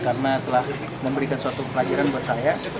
karena telah memberikan suatu pelajaran buat saya